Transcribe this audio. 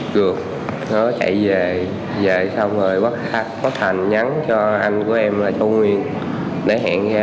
được nó chạy về về xong rồi quát hành nhắn cho anh của em là châu nguyên để hẹn ra